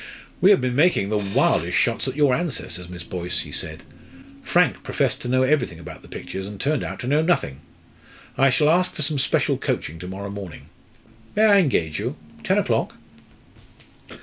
"We have been making the wildest shots at your ancestors, Miss Boyce," he said. "Frank professed to know everything about the pictures, and turned out to know nothing. I shall ask for some special coaching to morrow morning. May I engage you ten o'clock?"